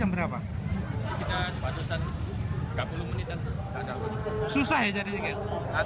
satu hari dari jepang